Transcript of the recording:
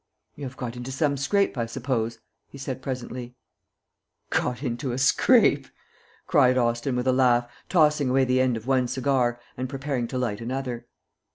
"You have got into some scrape, I suppose," he said presently. "Got into a scrape!" cried Austin with a laugh, tossing away the end of one cigar and preparing to light another.